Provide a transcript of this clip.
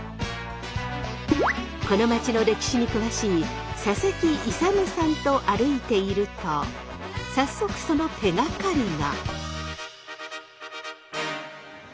この街の歴史に詳しい佐々木勇さんと歩いていると早速その手がかりが。